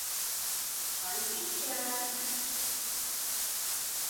海鮮醬